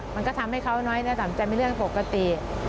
มันก็ทำให้เขาน้อยเนื้อต่ำใจไม่เรื่องปกติ